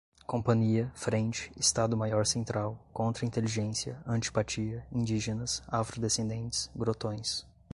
companhia, frente, estado-maior central, contra-inteligência, antipatia, indígenas, afrodescendentes, grotões